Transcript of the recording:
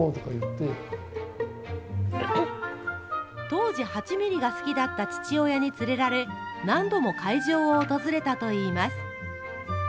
当時、８ミリが好きだった父親に連れられ、何度も会場を訪れたといいます。